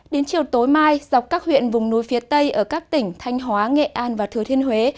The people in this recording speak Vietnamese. đến chiều tối mai dọc các huyện vùng núi phía tây ở các tỉnh thanh hóa nghệ an và thừa thiên huế